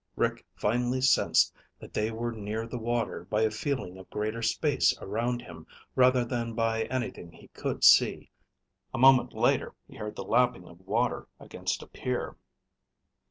Rick finally sensed that they were near the water by a feeling of greater space around him rather than by anything he could see. A moment later he heard the lapping of water against a pier.